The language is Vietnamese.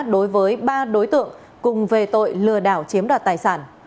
đối với ba đối tượng cùng về tội lừa đảo chiếm đoạt tài sản